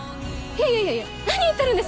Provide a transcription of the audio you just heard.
いやいやいやいや何言ってるんですか！